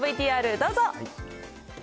ＶＴＲどうぞ。